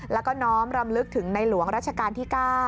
แล้วก็น้อมรำลึกถึงในหลวงราชการที่๙